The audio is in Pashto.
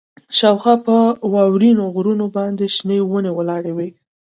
شاوخوا په واورینو غرونو باندې شنې ونې ولاړې وې